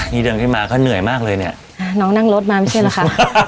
นี่เดินขึ้นมาก็เหนื่อยมากเลยเนี่ยน้องนั่งรถมาไม่ใช่เหรอคะ